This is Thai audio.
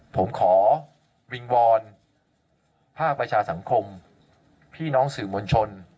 ผมขอวิงวอนภาคประชาสังคมพี่น้องสื่อมวลชน